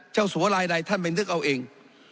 สัวลายใดท่านไปนึกเอาเอง